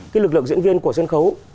cái lực lượng diễn viên của sân khấu